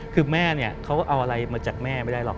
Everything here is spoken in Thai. คือแม่เนี่ยเขาเอาอะไรมาจากแม่ไม่ได้หรอก